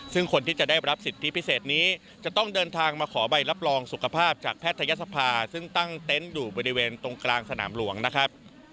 ซึ่งคนที่จะได้รับสิทธิพิเศษนี้จะต้องเดินทางมาขอใบรับรองสุขภาพจากแพทยศภาซึ่งตั้งเต็นต์อยู่บริเวณตรงกลางสนามหลวงนะครับ